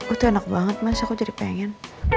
itu enak banget mas aku jadi pengen